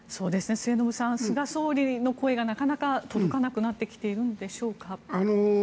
末延さん、菅総理の声がなかなか届かなくなってきているんでしょうか。